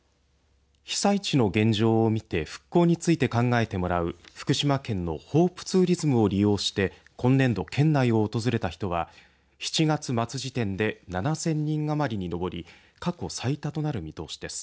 被災地の現状を見て復興について考えてもらう福島県のホープツーリズムを利用して今年度、県内を訪れた人は７月末時点で７０００人余りに上り過去最多となる見通しです。